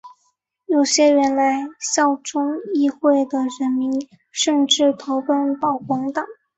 有些原来效忠议会的人民甚至投奔保王党。